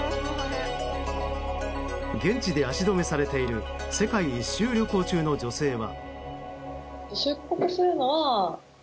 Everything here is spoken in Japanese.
現地で足止めされている世界一周旅行中の女性は。